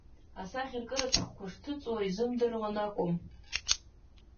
Асахьаркыратә шәҟәқәа шҭыҵуа изымдыруаны акәым.